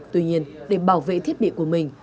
tuy nhiên để bảo vệ thiết bị của mình